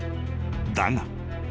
だが］